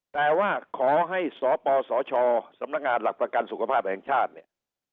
แต่ว่าขอให้สปสชสำนักงานหลักประกันสุขภาพแห่งชาติเนี่ย